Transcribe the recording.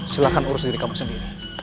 silahkan urus diri kamu sendiri